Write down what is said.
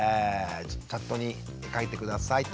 チャットに書いて下さいと。